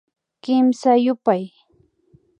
Kimsa yupay